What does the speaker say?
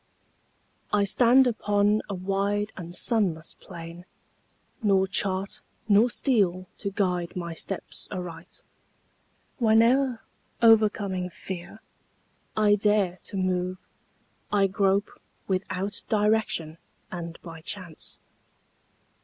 I stand upon a wide and sunless plain, Nor chart nor steel to guide my steps aright. Whene'er, o'ercoming fear, I dare to move, I grope without direction and by chance.